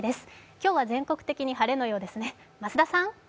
今日は全国的に晴れのようですね。